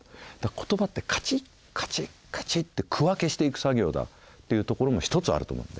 言葉ってカチッカチッカチッて区分けしていく作業だっていうところも一つあると思うんで。